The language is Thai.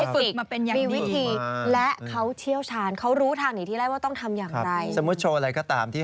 สมมุติโชว์ช้างโชว์อลิโชว์อะไรอย่างนี้